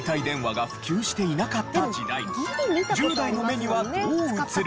１０代の目にはどう映る？